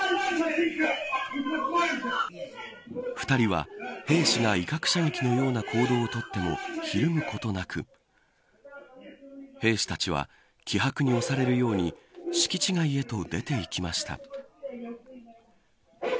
２人は兵士が威嚇射撃のような行動を取ってもひるむことなく兵士たちは気迫に押されるように敷地外へと出てきました。